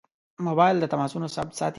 موبایل د تماسونو ثبت ساتي.